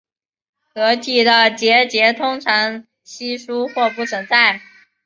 壳体的结节通常稀疏或不存在。